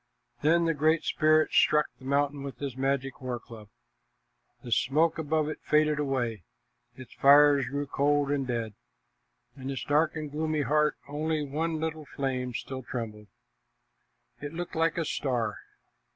Then the Great Spirit struck the mountain with his magic war club. The smoke above it faded away; its fires grew cold and dead. In its dark and gloomy heart only one little flame still trembled. It looked like a star.